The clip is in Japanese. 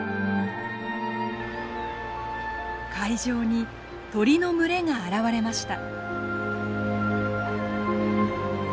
海上に鳥の群れが現れました。